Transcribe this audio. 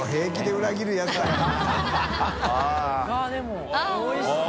あっでもおいしそう！